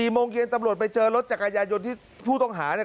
โมงเย็นตำรวจไปเจอรถจักรยายนที่ผู้ต้องหาเนี่ย